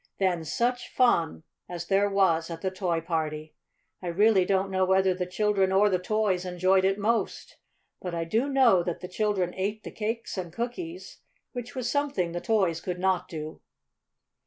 Then such fun as there was at the Toy Party! I really don't know whether the children or the toys enjoyed it most. But I do know that the children ate the cakes and cookies, which was something the toys could not do.